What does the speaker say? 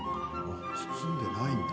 包んでないんだ。